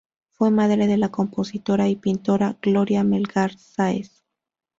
Fue madre de la compositora y pintora Gloria Melgar Sáez.